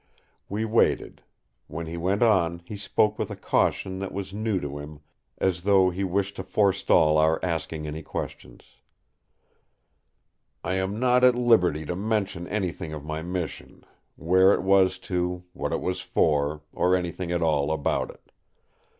We waited; when he went on he spoke with a caution that was new to him, as though he wished to forestall our asking any questions: "I am not at liberty to mention anything of my mission; where it was to, what it was for, or anything at all about it.